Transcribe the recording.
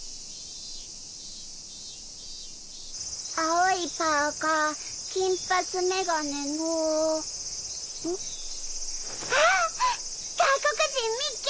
青いパーカー金髪メガネのあっ外国人みっけ！